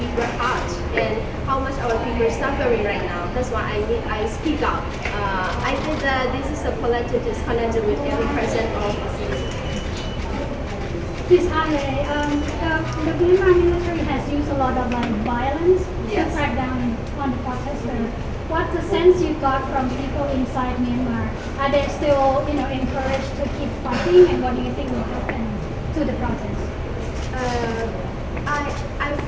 มีความรู้สึกว่ามีความรู้สึกว่ามีความรู้สึกว่ามีความรู้สึกว่ามีความรู้สึกว่ามีความรู้สึกว่ามีความรู้สึกว่ามีความรู้สึกว่ามีความรู้สึกว่ามีความรู้สึกว่ามีความรู้สึกว่ามีความรู้สึกว่ามีความรู้สึกว่ามีความรู้สึกว่ามีความรู้สึกว่ามีความรู้สึกว